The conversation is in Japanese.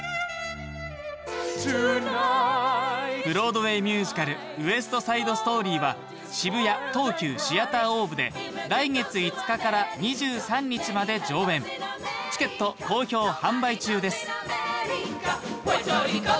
ブロードウェイ・ミュージカル「ウエスト・サイド・ストーリー」は渋谷東急シアターオーブで来月５日から２３日まで上演チケット好評販売中ですＰｕｅｒｔｏＲｉｃｏ